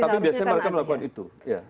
tapi biasanya mereka melakukan itu